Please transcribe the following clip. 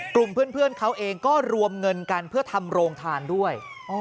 กลุ่มเพื่อนเขาเองก็รวมเงินกันเพื่อทำโรงทานด้วย